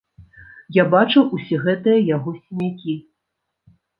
Я бачыў усе гэтыя яго сінякі.